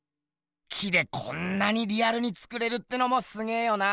木でこんなにリアルに作れるってのもすげぇよな。